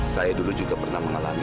saya dulu juga pernah mengalami